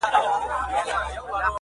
جانان پاته پر وطن زه یې پرېښودم یوازي-